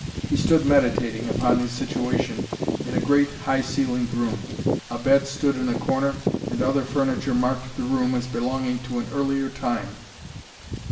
He stood meditating upon his situation in a great, high ceilinged room. A bed stood in a corner, and other furniture marked the room as belonging to an earlier time.